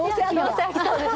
そうです！